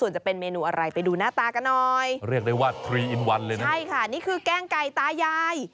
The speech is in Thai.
ใช่ค่ะนี่คือแกงไก่ตายาย